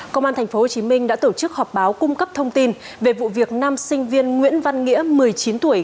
công an tp hcm đã tổ chức họp báo cung cấp thông tin về vụ việc năm sinh viên nguyễn văn nghĩa một mươi chín tuổi